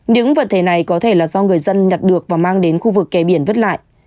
những vật thể này có thể là do người dân nhặt được và mang đến khu vực kè biển vứt lại